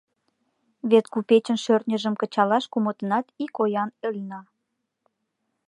Вет купечын шӧртньыжым кычалаш кумытынат ик оян ыльна.